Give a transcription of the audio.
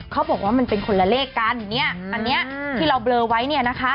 เขาบอกว่ามันเป็นคนละเลขกันเนี่ยอันนี้ที่เราเบลอไว้เนี่ยนะคะ